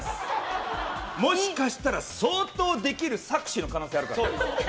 もしかしたら相当できる策士の可能性あるから。